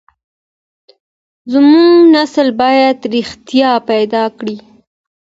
زموږ نسل بايد رښتيا پيدا کړي.